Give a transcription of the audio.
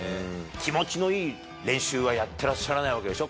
気持ちのいい練習はやってらっしゃらないわけでしょ。